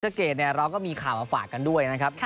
เกรดเราก็มีข่าวมาฝากกันด้วยนะครับ